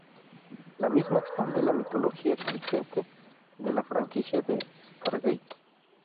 La misma expande la mitología existente de la Franquicia de Stargate.